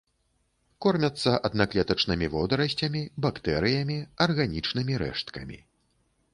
Кормяцца аднаклетачнымі водарасцямі, бактэрыямі, арганічнымі рэшткамі.